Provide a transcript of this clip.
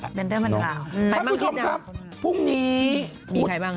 ครับคุณผู้ชมครับพรุ่งนี้พุธ